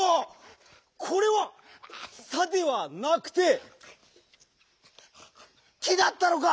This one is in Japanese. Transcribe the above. これは「さ」ではなくて「き」だったのか！